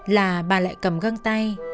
là bà lại cầm găng tay